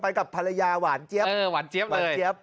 ไปกับภรรยาหวานเจี๊ยบ